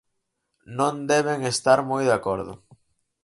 Non deben estar moi de acordo.